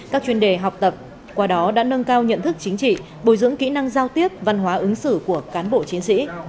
các chuyên đề học tập qua đó đã nâng cao nhận thức chính trị bồi dưỡng kỹ năng giao tiếp văn hóa ứng xử của cán bộ chiến sĩ